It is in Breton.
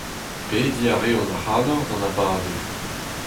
Pediñ a reont ac'hanoc'h d'an abadenn.